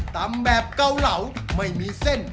ตำแบบเกาเหลาไม่มีเส้น